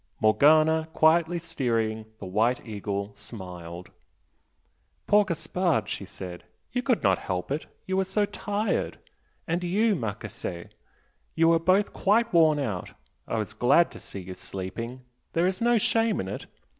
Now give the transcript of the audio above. Morgana, quietly steering the "White Eagle," smiled. "Poor Gaspard!" she said "You could not help it! You were so tired! And you, Marchese! You were both quite worn out! I was glad to see you sleeping there is no shame in it!